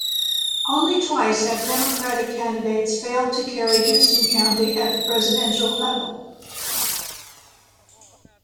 Only twice have Democratic candidates failed to carry Houston County at the presidential level.